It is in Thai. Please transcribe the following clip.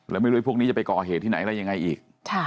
แล้วไม่รู้พวกนี้จะไปก่อเหตุที่ไหนอะไรยังไงอีก